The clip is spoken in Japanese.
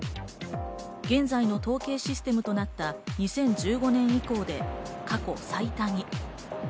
現在の統計システムとなった２０１５年以降で過去最多に。